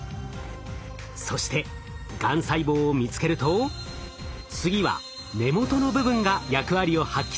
そしてがん細胞を見つけると次は根元の部分が役割を発揮するのです。